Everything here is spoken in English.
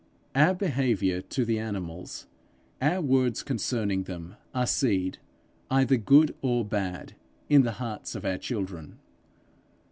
Our behaviour to the animals, our words concerning them, are seed, either good or bad, in the hearts of our children.